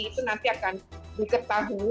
itu nanti akan diketahui